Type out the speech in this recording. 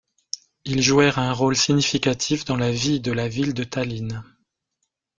Ils jouèrent un rôle significatif dans la vie de la ville de Tallinn.